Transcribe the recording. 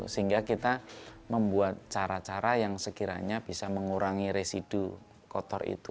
sehingga kita membuat cara cara yang sekiranya bisa mengurangi residu kotor itu